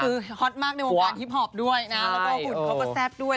คือฮอตมากในวงการฮิปพอปด้วยนะแล้วก็หุ่นเขาก็แซ่บด้วย